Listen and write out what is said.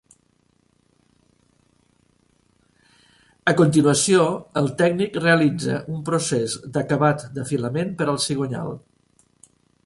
A continuació el tècnic realitza un procés d'acabat d'afilament per al cigonyal.